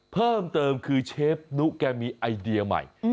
เพิ่มเติมคือเชฟนุแกมีไอเดียใหม่